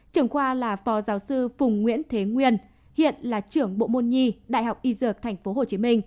trưởng khoa là phó giáo sư phùng nguyễn thế nguyên hiện là trưởng bộ môn nhi đại học y dược tp hcm